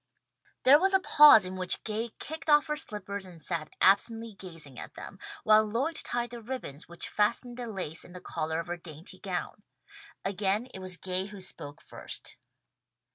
There was a pause in which Gay kicked off her slippers and sat absently gazing at them, while Lloyd tied the ribbons which fastened the lace in the collar of her dainty gown. Again it was Gay who spoke first.